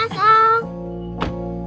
tak payah pak cik